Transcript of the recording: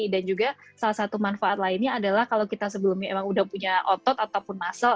dan juga salah satu manfaat lainnya adalah kalau kita sebelumnya emang udah punya otot ataupun muscle